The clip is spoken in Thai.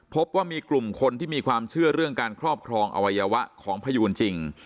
พบว่ามีกลุ่มคนที่มีความเชื่อเรื่องการครอบครองอวัยวะของพยูนจริง